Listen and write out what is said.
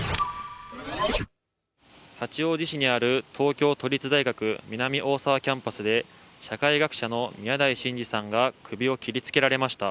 八王子市にある東京都立大学・南大沢キャンパスで社会学者の宮台真司さんが首を切りつけられました。